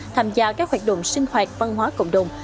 tham gia các hoạt động sinh hoạt văn hóa cộng đồng